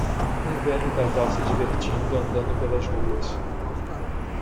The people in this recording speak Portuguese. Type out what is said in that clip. Um velho casal se divertindo andando pelas ruas.